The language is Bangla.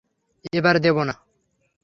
এবার দেব না!